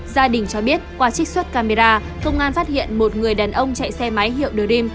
gia đình cho biết qua trích xuất camera công an phát hiện một người đàn ông chạy xe máy hiệu dờ dm